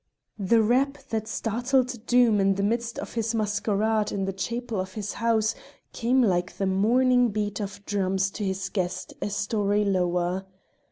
The rap that startled Doom in the midst of his masquerade in the chapel of his house, came like the morning beat of drums to his guest a storey lower.